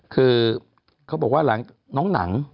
คือเขาบอกว่าหลังน้องหนัง